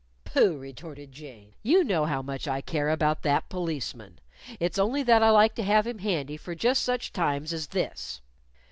"Pooh!" retorted Jane. "You know how much I care about that policeman! It's only that I like to have him handy for just such times as this."